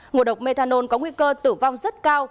ngộ độc methanol có nguy cơ tử vong rất cao